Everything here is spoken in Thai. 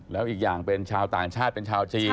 แล้วอีกอย่างเป็นชาวต่างชาติเป็นชาวจีน